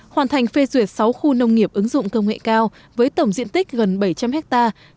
hoàn thành phê duyệt sáu khu nông nghiệp ứng dụng công nghệ cao với tổng diện tích gần bảy trăm linh hectare